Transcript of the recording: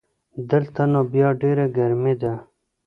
دلته نو بیا ډېره ګرمي ده